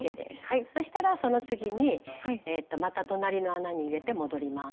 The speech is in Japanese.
そしたらその次にまた隣の穴に入れて戻ります。